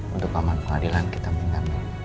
untuk pahaman pengadilan kita minta